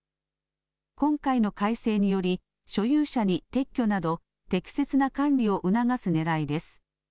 今回の改正により、所有者に撤去など、適切な管理を促すねらいです。